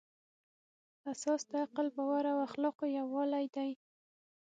اساس د عقل، باور او اخلاقو یووالی دی.